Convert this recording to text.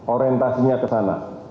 orentasinya ke sana